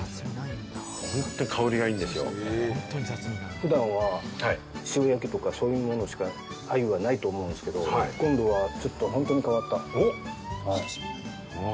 普段は塩焼きとか、そういうものしか鮎はないと思うんですけれども、今度はちょっと本当に変わったもの。